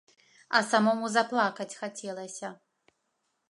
А самому заплакаць хацелася.